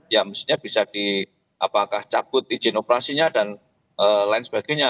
ya mestinya bisa di apakah cakut izin operasinya dan lain sebagainya